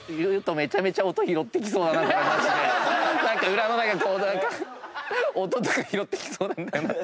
裏のこう何か音とか拾ってきそうなんだよな。